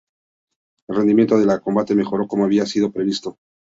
El rendimiento en el combate mejoró como había sido previsto.